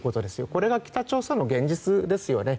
これが北朝鮮の現実ですよね。